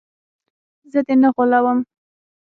زه دې نه غولوم.